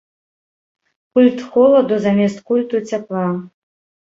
Культ холаду замест культу цяпла.